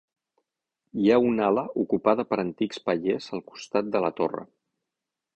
Hi ha una ala ocupada per antics pallers al costat de la torre.